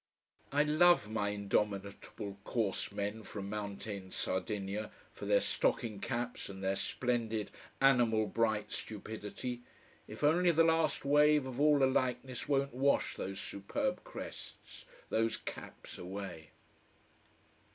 I love my indomitable coarse men from mountain Sardinia, for their stocking caps and their splendid, animal bright stupidity. If only the last wave of all alikeness won't wash those superb crests, those caps, away.